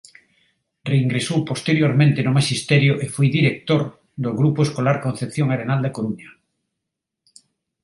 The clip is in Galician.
Reingresou posteriormente no Maxisterio e foi director do Grupo Escolar Concepción Arenal da Coruña.